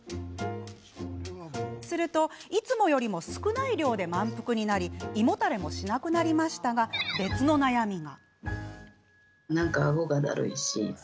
するといつもより少ない量で満腹になり胃もたれもしなくなりましたが別の悩みが。